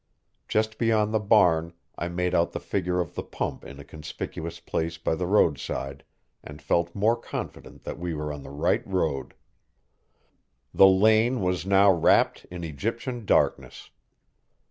Just beyond the barn I made out the figure of the pump in a conspicuous place by the roadside, and felt more confident that we were on the right road. The lane was now wrapped in Egyptian darkness.